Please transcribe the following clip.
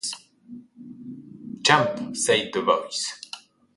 “Jump,” said the voice.